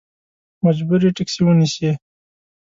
مجبور یې ټیکسي ونیسې.